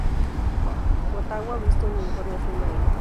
Motagua viste un uniforme azul marino.